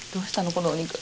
このお肉。